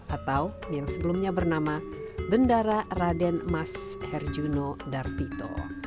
atau yang sebelumnya bernama bendara raden mas herjuno darvito